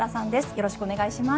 よろしくお願いします。